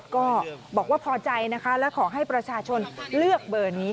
ก็บอกว่าพอใจนะคะและขอให้ประชาชนเลือกเบอร์นี้ค่ะ